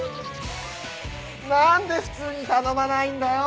何で普通に頼まないんだよ！